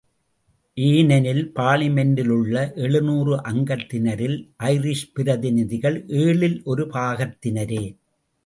ஏனெனில் பார்லிமென்டிலுள்ள எழுநூறு அங்கத்தினரில் ஐரிஷ் பிரதிநிதிகள் ஏழில் ஒரு பாகத்தினரே.